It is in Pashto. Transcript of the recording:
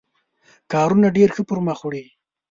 کارونه ډېر ښه پر مخ وړي.